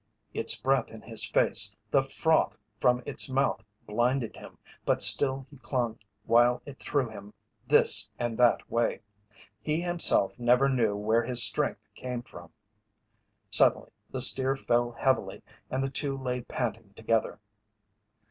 Its breath in his face, the froth from its mouth blinded him, but still he clung while it threw him this and that way. He himself never knew where his strength came from. Suddenly the steer fell heavily and the two lay panting together.